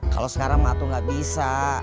kalau sekarang mato gak bisa